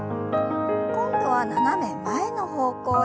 今度は斜め前の方向へ。